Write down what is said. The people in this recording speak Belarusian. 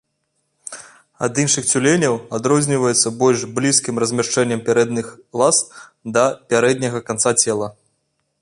Ад іншых цюленяў адрозніваецца больш блізкім размяшчэннем пярэдніх ласт да пярэдняга канца цела.